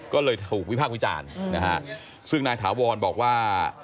ก็เลยถูกวิพากษ์วิจารณ์นะฮะซึ่งนายถาวรบอกว่า